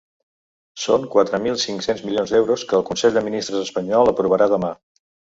Són quatre mil cinc-cents milions d’euros que el consell de ministres espanyol aprovarà demà.